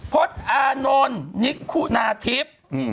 พลอาโนนิคุณาธิป